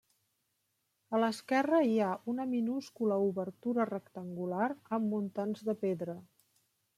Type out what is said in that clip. A l'esquerra hi ha una minúscula obertura rectangular amb muntants de pedra.